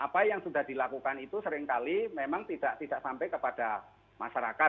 apa yang sudah dilakukan itu seringkali memang tidak sampai kepada masyarakat